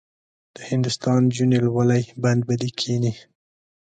د هندوستان نجونې لولۍ بند به دې کیني.